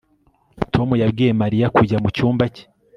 Tom yabwiye Mariya kujya mucyumba cye